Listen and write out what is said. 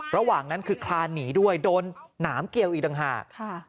ระหว่างนั้นคือคลานหนีด้วยโดนหนามเกี่ยวอีกต่างหาก